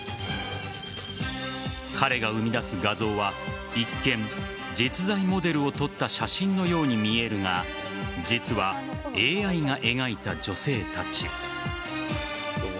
彼が生み出す画像は一見実在モデルを撮った写真のように見えるが実は、ＡＩが描いた女性たち。